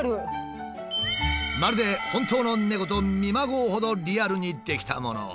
まるで本当の猫と見まごうほどリアルに出来たもの。